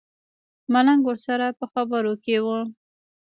ملنګ ورسره په خبرو کې و.